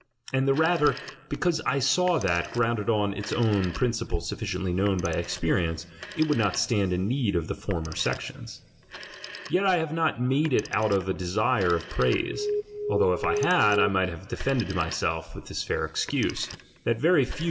And the rather, because I saw that, grounded on its own principles sufficiently known by experi ence, it would not stand in need of the former sections. Yet I have not made it out of a desire of praise : although if I had, I might have de fended myself with this fair excuse, that very few ou: [ TO THE READER.